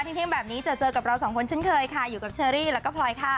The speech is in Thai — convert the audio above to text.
เที่ยงแบบนี้จะเจอกับเราสองคนเช่นเคยค่ะอยู่กับเชอรี่แล้วก็พลอยค่ะ